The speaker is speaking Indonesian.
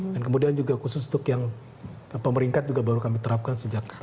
dan kemudian juga khusus stuk yang pemeringkat juga baru kami terapkan sejak tahun depan